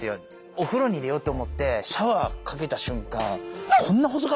お風呂に入れようと思ってシャワーかけた瞬間確かに。